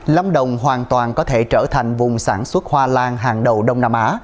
lâm đồng hoàn toàn có thể trở thành vùng sản xuất hoa lan hàng đầu đông nam á